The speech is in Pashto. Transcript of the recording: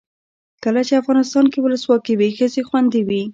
کله چې افغانستان کې ولسواکي وي ښځې خوندي وي.